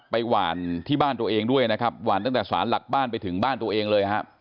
หวานที่บ้านตัวเองด้วยนะครับหวานตั้งแต่สารหลักบ้านไปถึงบ้านตัวเองเลยฮะ